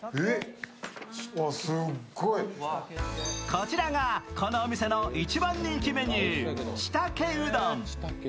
こちらがこのお店の一番人気メニュー、ちたけうどん。